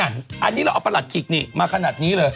อันนี้เราเอาประหลัดขิกนี่มาขนาดนี้เลย